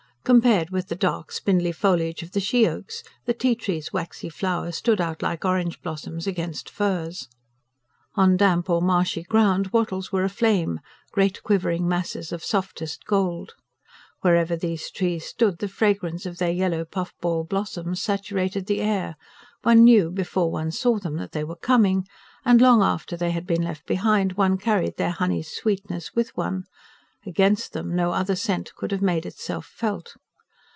Compared with the dark, spindly foliage of the she oaks, the ti trees' waxy flowers stood out like orange blossoms against firs. On damp or marshy ground wattles were aflame: great quivering masses of softest gold. Wherever these trees stood, the fragrance of their yellow puff ball blossoms saturated the air; one knew, before one saw them, that they were coming, and long after they had been left behind one carried their honeyed sweetness with one; against them, no other scent could have made itself felt.